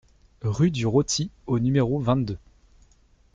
Rue du Roty au numéro vingt-deux